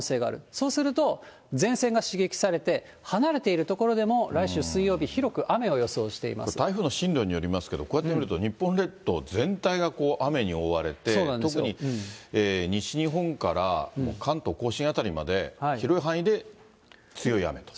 そうすると、前線が刺激されて、離れている所でも来週水曜日、台風の進路によりますけど、こうやって見ると、日本列島全体が雨に覆われて、特に西日本から関東甲信辺りまで広い範囲で強い雨と。